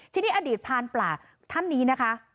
ทีนี้อดีตพรานป่าท่านนี้นะคะ